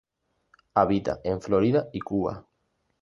Habita en Florida y Cuba.